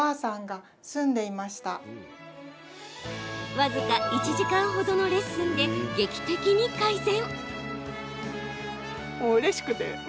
僅か１時間ほどのレッスンで劇的に改善。